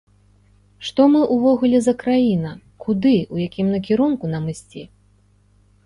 Што мы ўвогуле за краіна, куды, у якім накірунку нам ісці.